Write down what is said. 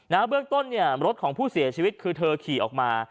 เบื้องต้นเนี่ยรถของผู้เสียชีวิตคือเธอขี่ออกมา